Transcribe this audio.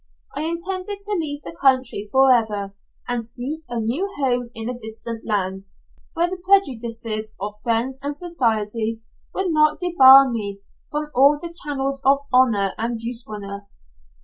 I intended to leave the country for ever, and seek a new home in a distant land, where the prejudices of friends and society would not debar me from all the channels of honour and usefulness.